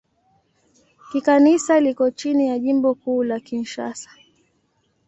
Kikanisa liko chini ya Jimbo Kuu la Kinshasa.